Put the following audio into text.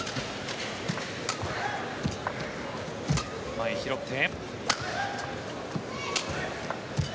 前、拾って。